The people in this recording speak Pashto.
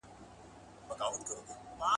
هغه زه یم چي په مینه مي فرهاد سوري کول غرونه ,